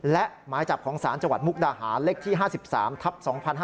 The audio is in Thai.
และหมายจับของศาลจังหวัดมุกดาหารเลขที่๕๓ทับ๒๕๕๙